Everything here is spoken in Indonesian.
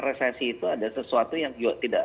resesi itu ada sesuatu yang juga tidak